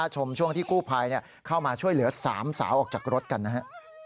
ชมช่วงที่กู้ภัยเข้ามาช่วยเหลือ๓สาวออกจากรถกันนะฮะ